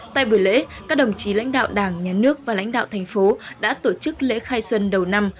tại buổi lễ các đồng chí lãnh đạo đảng nhà nước và lãnh đạo thành phố đã tổ chức lễ khai xuân đầu năm